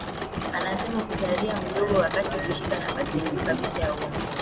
Anasema hakutarajia mdogo wake kushika nafasi ya juu kabisa ya uongozi